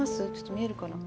見えるかな？